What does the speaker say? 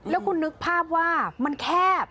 แล้วคุณนึกภาพว่ามันแคบ